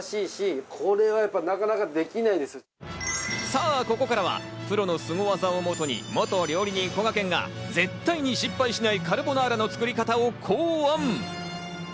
さあ、ここからはプロのスゴ技をもとに、元料理人のこがけんが絶対に失敗しないカルボナーラの作り方を考案。